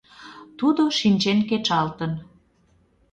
Тудо шинчен кечалтын.